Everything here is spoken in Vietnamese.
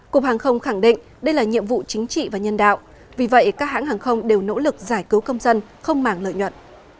cục hàng không khẳng định đây là nhiệm vụ chính trị và nhân đạo vì vậy các hãng hàng không đều nỗ lực giải cứu công dân không mảng lợi nhuận